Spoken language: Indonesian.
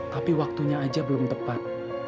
tapi waktunya aja belum tepat